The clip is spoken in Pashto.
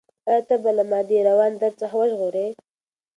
ایا ته به ما له دې روان درد څخه وژغورې؟